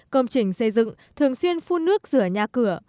công trình xây dựng thường xuyên phun nước rửa nhà cửa